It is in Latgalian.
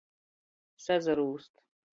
Sazarūst.